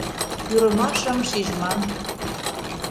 Пӱрымашым шижман.